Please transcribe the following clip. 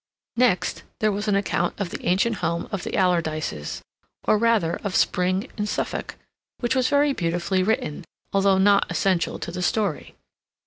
Next, there was an account of the ancient home of the Alardyces, or rather, of spring in Suffolk, which was very beautifully written, although not essential to the story.